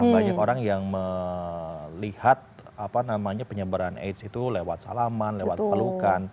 banyak orang yang melihat penyebaran aids itu lewat salaman lewat pelukan